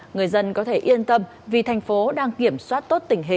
người dân có thể yên tâm vì thành phố đang kiểm soát